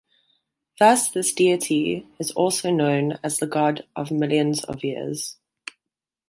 Thus this deity is also known as the "god of millions of years".